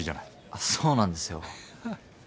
あっそうなんですよ。ははっ。